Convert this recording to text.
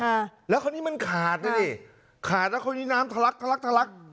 อ่าแล้วคราวนี้มันขาดนะดิขาดแล้วคราวนี้น้ำทะลักทะลักทะลัก